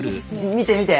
見て見て！